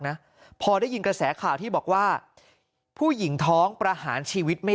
นะพอได้ยินกระแสข่าวที่บอกว่าผู้หญิงท้องประหารชีวิตไม่